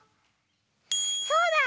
そうだ！